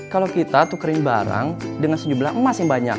kalau kita tukerin barang dengan sejumlah emas yang banyak